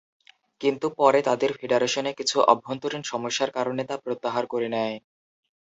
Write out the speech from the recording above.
কিন্তু পরে তাদের ফেডারেশনে কিছু অভ্যন্তরীণ সমস্যার কারণে তা প্রত্যাহার করে নেয়।